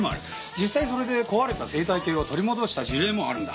実際それで壊れた生態系を取り戻した事例もあるんだ。